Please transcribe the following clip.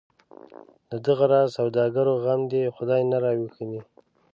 د دغه راز سوداګرو غم دی خدای نه راوویني.